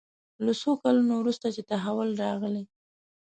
له څو کلونو وروسته چې تحول راغلی.